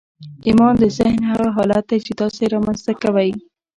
ايمان د ذهن هغه حالت دی چې تاسې يې رامنځته کوئ.